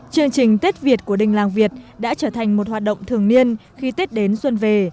chương trình tết việt của đình làng việt đã trở thành một hoạt động thường niên khi tết đến xuân về